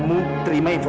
istri atau ibu